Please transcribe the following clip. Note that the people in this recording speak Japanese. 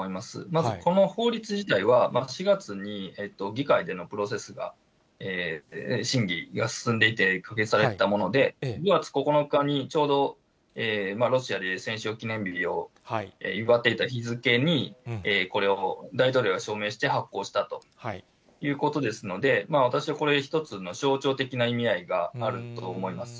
まずこの法律自体は、４月に議会でのプロセスが、審議が進んでいて可決されていたもので、５月９日に、ちょうど、ロシアでいう戦勝記念日を祝っていた日付に、これを、大統領が署名して発効したということですので、私は、これは一つの象徴的な意味合いがあると思います。